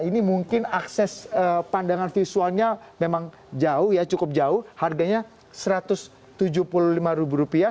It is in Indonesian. ini mungkin akses pandangan visualnya memang jauh ya cukup jauh harganya satu ratus tujuh puluh lima ribu rupiah